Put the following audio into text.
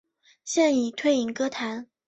现已退隐歌坛。